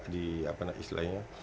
di apa istilahnya